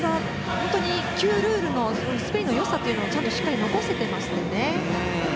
本当に旧ルールのスペインの良さをしっかり残せていますよね。